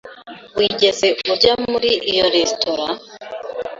Wigeze urya muri iyo resitora?